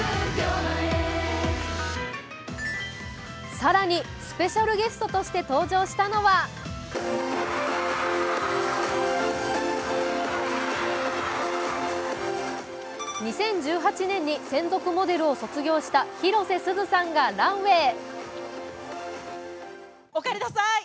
更に、スペシャルゲストとして登場したのは２０１８年に専属モデルを卒業した広瀬すずさんがランウェイ。